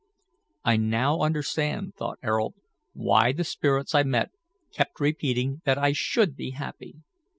"I now understand," thought Ayrault, "why the spirits I met kept repeating that I should be happy.